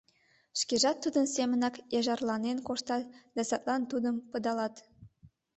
Шкежат тудын семынак яжарланен коштат да садлан тудым пыдалат.